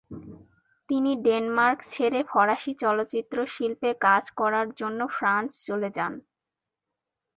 তিনি ডেনমার্ক ছেড়ে ফরাসি চলচ্চিত্র শিল্পে কাজ করার জন্য ফ্রান্স চলে যান।